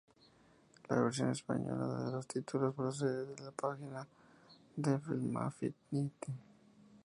La versión española de los títulos procede de la página de Filmaffinity.